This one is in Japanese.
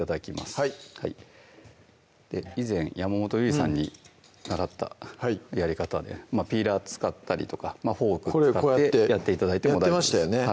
はい以前山本ゆりさんに習ったやり方でピーラー使ったりとかフォーク使ってやって頂いても大丈夫です